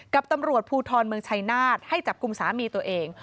กับตำรวจภูทรเมืองชัยนาฏให้จับกลุ่มสามีตัวเอง